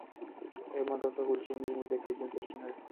ارمان کاکا وویل چې ونې زموږ د اکسیجن سرچینه ده.